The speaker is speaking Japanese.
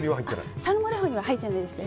サルモレホには入ってないですね。